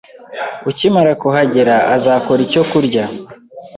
Ukimara kuhagera, azakora icyo kurya.